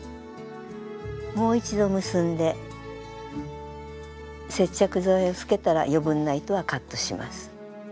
もう一度結んで接着剤をつけたら余分な糸はカットします。